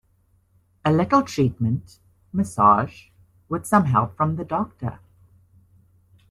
A little treatment, massage, with some help from the doctor.